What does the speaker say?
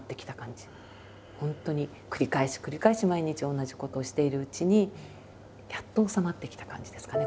本当に繰り返し繰り返し毎日同じことをしているうちにやっと収まってきた感じですかね。